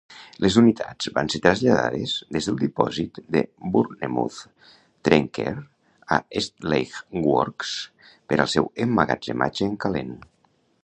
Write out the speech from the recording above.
Les unitats van ser traslladades des del dipòsit de Bournemouth Traincare a Eastleigh Works per al seu emmagatzematge en calent.